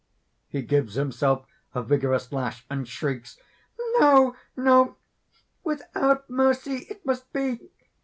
(He gives himself a vigorous lash and shrieks.) "No! no! without mercy it must be."